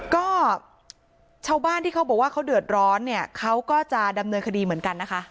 ก็ชาวบ้านที่เขาบอกว่าเขาเดือดร้อนเนี่ยเขาก็จะดำเนินคดีเหมือนกันนะคะ